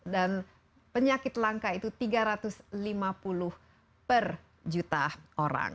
dan penyakit langka itu tiga ratus lima puluh per juta orang